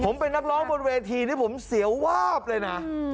ผมเป็นนักร้องบนเวทีนี่ผมเสียววาบเลยนะ